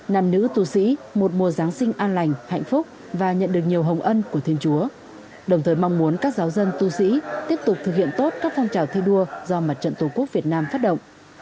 nam nữ tu sĩ một mùa giáng sinh an lành hạnh phúc và nhận được nhiều hồng ân của thiên chúa đồng thời mong muốn các giáo dân tu sĩ tiếp tục thực hiện tốt các phong trào thi đua do mặt trận tổ quốc việt nam phát động